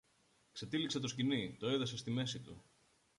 Ξετύλιξε το σκοινί, το έδεσε στη μέση του